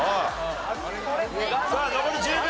さあ残り１０秒。